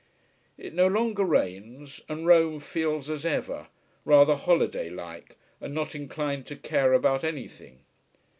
It no longer rains, and Rome feels as ever rather holiday like and not inclined to care about anything.